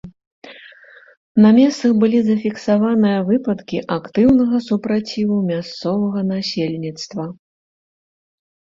На месцах былі зафіксаваныя выпадкі актыўнага супраціву мясцовага насельніцтва.